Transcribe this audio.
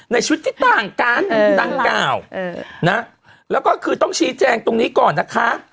ในชุดที่ต่างกันดังกล่าวนะแล้วก็คือต้องชี้แจงตรงนี้ก่อนนะคะ